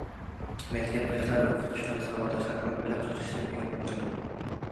مەكتەپداشلار، ئوقۇتقۇچىلار، ساۋاقداشلارمۇ بېلىق تۇتۇش سېپىگە قوشۇلدى.